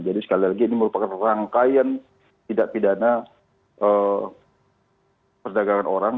jadi sekali lagi ini merupakan rangkaian tidak pidana perdagangan orang